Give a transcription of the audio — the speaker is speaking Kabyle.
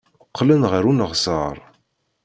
Qqlen ɣer uneɣsar.